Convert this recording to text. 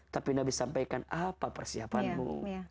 tapi nabi sampaikan apa persiapanmu